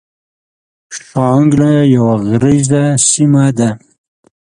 شانګله يوه غريزه سيمه ده ـ